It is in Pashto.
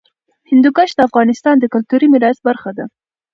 هندوکش د افغانستان د کلتوري میراث برخه ده.